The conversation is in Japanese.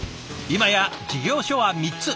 今や事業所は３つ。